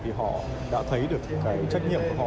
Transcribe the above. thì họ đã thấy được những cái trách nhiệm của họ